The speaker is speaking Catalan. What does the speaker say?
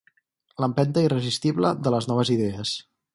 L'empenta irresistible de les noves idees.